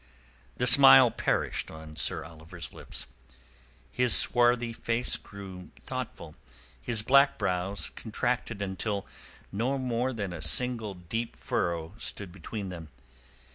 The smile perished on Sir Oliver's lips. His swarthy face grew thoughtful, his black brows contracted until no more than a single deep furrow stood between them.